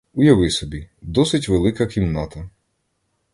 Уяви собі, — досить велика кімната.